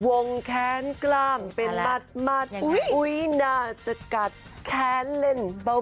วงแขนกล้ามเป็นบัตรโอี่น่าจะกัดแขนเล่นเปล่า